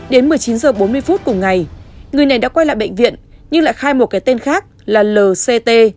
đến một mươi chín h bốn mươi phút cùng ngày người này đã quay lại bệnh viện nhưng lại khai một cái tên khác là lct